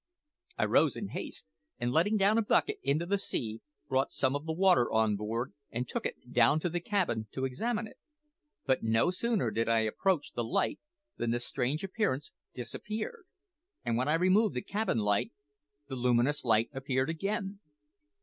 I rose in haste, and letting down a bucket into the sea, brought some of the water on board and took it down to the cabin to examine it; but no sooner did I approach the light than the strange appearance disappeared, and when I removed the cabin lamp the luminous light appeared again.